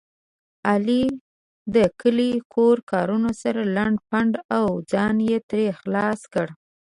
علي د کلي کور کارونه سره لنډ بنډ او ځان یې ترې خلاص کړ.